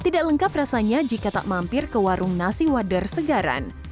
tidak lengkap rasanya jika tak mampir ke warung nasi wader segaran